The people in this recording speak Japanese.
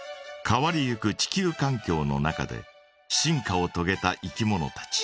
変わりゆく地球かん境の中で進化をとげたいきものたち。